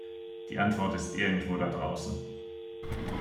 Die Antwort ist irgendwo da draußen.